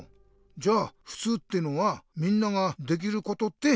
じゃあふつうってのは「みんなができること」ってことなのか。